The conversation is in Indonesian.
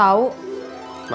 maaf aku nggak denger